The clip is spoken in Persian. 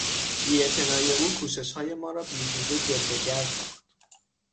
بی اعتنایی او کوششهای ما را بیهوده جلوگر ساخت.